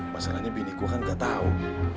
masalahnya biniku kan gak tahu